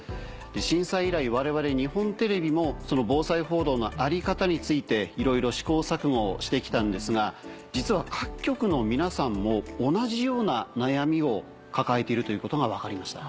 震災以来我々日本テレビも防災報道の在り方についていろいろ試行錯誤をして来たんですが実は各局の皆さんも同じような悩みを抱えているということが分かりました。